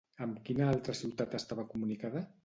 Amb quina altra ciutat estava comunicada?